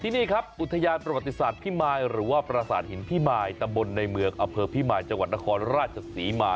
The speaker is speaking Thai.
นี่ครับอุทยานประวัติศาสตร์พิมายหรือว่าประสาทหินพิมายตำบลในเมืองอเภอพิมายจังหวัดนครราชศรีมา